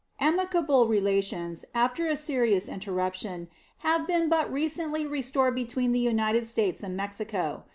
Amicable relations, after a serious interruption, have been but recently restored between the United States and Mexico.